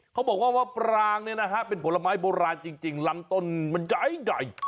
เขาบอกว่าปลางในนะฮะเป็นผลไม้บอลราณจริงล้ำต้นมันใหญ่